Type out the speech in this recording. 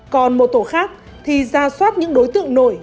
còn một tổ khác thì ra soát những đối tượng nổi